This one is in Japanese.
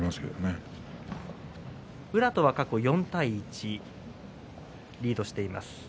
対宇良は４対１とリードしています。